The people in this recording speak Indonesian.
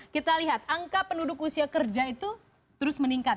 kita lihat angka penduduk usia kerja itu terus meningkat